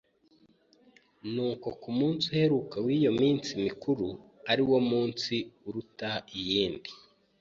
Nuko ku munsi uheruka w'iyo minsi mikuru, ari wo munsi uruta iyindi,